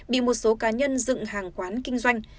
bị một số cá nhân dựng hàng quán kinh doanh